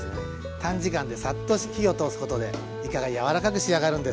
短時間でサッと火を通すことでいかが柔らかく仕上がるんです。